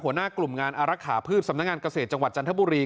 หัวหน้ากลุ่มงานอารักษาพืชสำนักงานเกษตรจังหวัดจันทบุรี